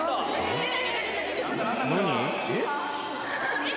えっ？